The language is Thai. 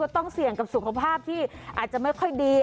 ต้องเสี่ยงกับสุขภาพที่อาจจะไม่ค่อยดี